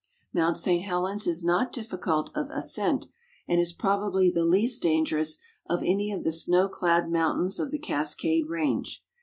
Mt. St. Helens is not difficult of ascent, and is probably the least dan gerous of an\^ of the snow clad mountains of the Cascade range.